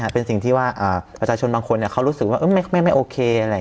เป็นสิ่งที่ว่าประชาชนบางคนเขารู้สึกว่าไม่โอเค